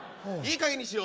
いいかげんにしろ。